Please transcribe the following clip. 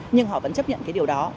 nhưng họ vẫn chấp nhận cái điều đó